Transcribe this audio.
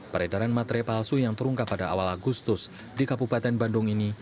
peredaran materai palsu yang terungkap pada awal agustus di kabupaten bandung ini